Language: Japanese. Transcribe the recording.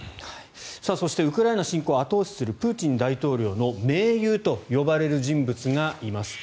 そして、ウクライナ侵攻を後押しするプーチン大統領の盟友と呼ばれる人物がいます。